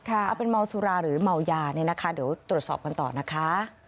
เอาเป็นเมาสุราหรือเมายาเนี่ยนะคะเดี๋ยวตรวจสอบกันต่อนะคะ